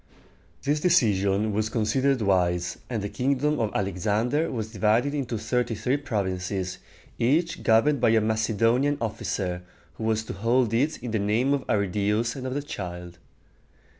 This decision was considered wise, and the kingdom of Alexander was divided into thirty three provinces, each governed by a Macedonian officer, who was to hold it in the name of Arridæus and of the child.